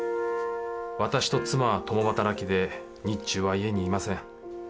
私と妻は共働きで日中は家にいません。